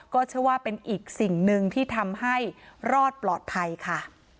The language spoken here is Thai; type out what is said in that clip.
เชื่อว่าเป็นอีกสิ่งหนึ่งที่ทำให้รอดปลอดภัยค่ะ